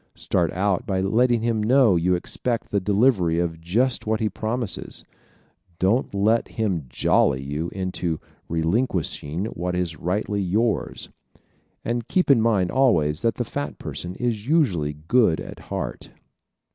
Start out by letting him know you expect the delivery of just what he promises. Don't let him "jolly" you into relinquishing what is rightfully yours. And keep in mind always that the fat person is usually good at heart.